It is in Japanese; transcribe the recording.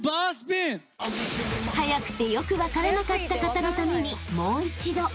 ［速くてよく分からなかった方のために］